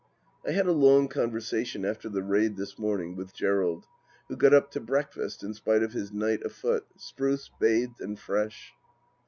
I had a long conversation after the raid this morning with Gerald, who got up to breakfast, in spite of his night afoot, spruce, bathed, and fresh.